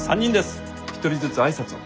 一人ずつ挨拶を。